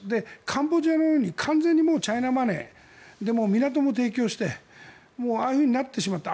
カンボジアのように完全にチャイナマネーで港も提供してああいうふうになってしまった。